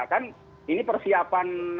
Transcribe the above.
kan ini persiapan